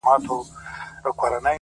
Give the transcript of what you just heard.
وايي اوس مړ يمه چي مړ سمه ژوندی به سمه’